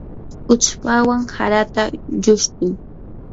uchpawan harata llushtuy.